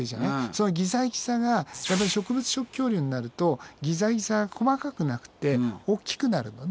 そのギザギザが植物食恐竜になるとギザギザが細かくなくておっきくなるのね。